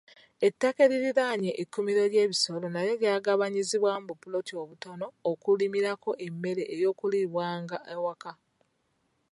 Ettaka eririraanye ekkuumiro ly'ebisolo nalyo lyagabanyizibwamu bu poloti obutono okulimirako emmere ey'okulibwanga awaka